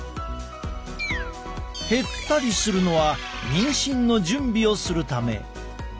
減ったりするのは妊娠の準備をするため。